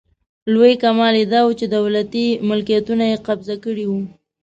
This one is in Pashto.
لوی کمال یې داوو چې دولتي ملکیتونه یې قبضه کړي وو.